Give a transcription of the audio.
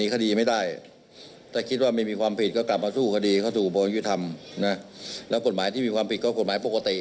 แล้วกฎหมายที่มีความผิดก็กฎหมายปกติ